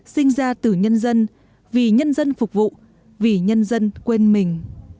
sinh ra từ nhân dân vì nhân dân phục vụ vì nhân dân quên mình